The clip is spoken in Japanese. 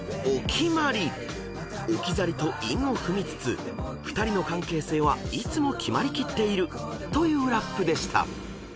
［「置き去り」と韻を踏みつつ２人の関係性はいつも決まり切っているというラップでした］